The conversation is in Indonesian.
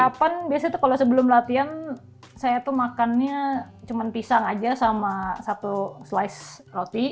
kapan biasanya tuh kalau sebelum latihan saya tuh makannya cuma pisang aja sama satu slice roti